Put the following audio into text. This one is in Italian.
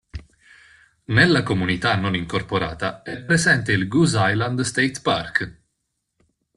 Nella comunità non incorporata è presente il Goose Island State Park.